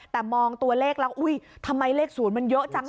แต่มองตัวเลขแล้วอุ้ยทำไมเลข๐มันเยอะจัง